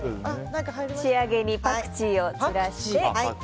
仕上げにパクチーを散らして。